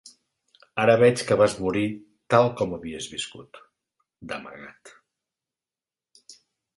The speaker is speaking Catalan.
Ara veig que vas morir tal com havies viscut: d'amagat.